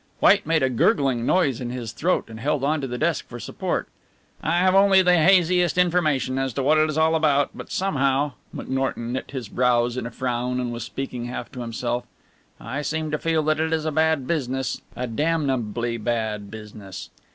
White made a gurgling noise in his throat and held on to the desk for support. "I have only the haziest information as to what it is all about, but somehow" McNorton knit his brows in a frown and was speaking half to himself "I seem to feel that it is a bad business a damnably bad business."